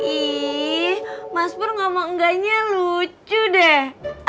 ih mas pur gak mau enggaknya lucu deh